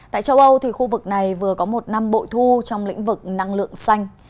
tại châu âu khu vực này vừa có một năm bội thu trong lĩnh vực năng lượng xanh